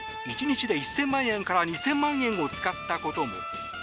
１日で１０００万円から２０００万円を使ったことも。